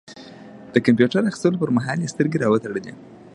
د کمپيوټر اخيستلو پر مهال يې سترګې را وتړلې.